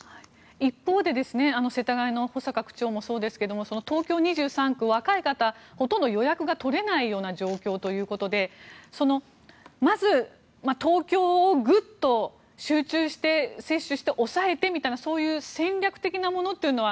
一方で世田谷の保坂区長もそうですが東京２３区、若い方ほとんど予約が取れない状況ということでまず東京をぐっと集中して接種して抑えてみたいな戦略的なものというのは